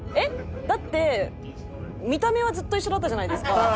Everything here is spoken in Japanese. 「だって見た目はずっと一緒だったじゃないですか」